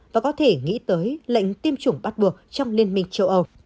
và có thể nghĩ tới lệnh tiêm chủng bắt buộc trong liên minh